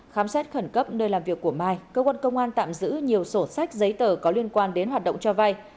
khám xét khẩn cấp nơi làm việc của mai cơ quan công an tạm giữ nhiều sổ sách giấy tờ có liên quan đến hoạt động cho vay